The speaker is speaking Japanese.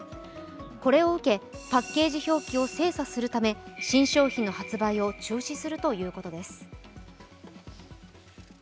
これを受けパッケージ表記を精査するため、新商品の発売を中止するということです。